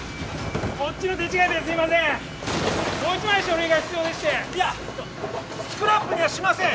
こっちの手違いですいません！